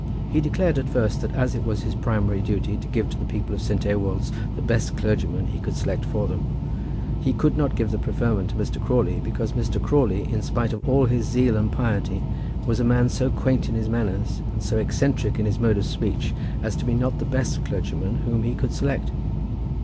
He declared at first that as it was his primary duty to give to the people of St. Ewolds the best clergyman he could select for them he could not give the preferment to Mr. Crawley, because Mr. Crawley, in spite of all his zeal and piety, was a man so quaint in his manners and so eccentric in his mode of speech as not to be the best clergyman whom he could select.